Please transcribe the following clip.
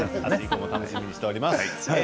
楽しみにしております。